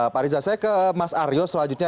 pak riza saya ke mas aryo selanjutnya